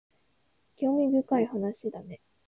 興味深い内容だね